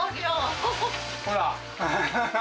ほら。